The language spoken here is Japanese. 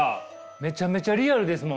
めちゃめちゃリアルですもんね。